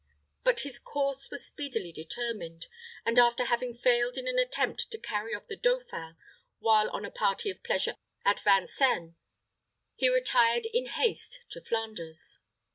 But his course was speedily determined; and, after having failed in an attempt to carry off the dauphin while on a party of pleasure at Vincennes, he retired in haste to Flanders.